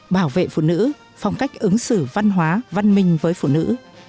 bảo vệ phụ nữ phong cách ứng xử văn hóa văn minh với phụ nữ